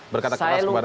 berkata keras kepada anda